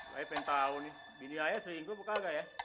saya pengen tahu nih bini ayah suing gue apa enggak ya